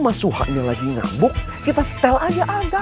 mas suha pasti ngamuknya beneran ti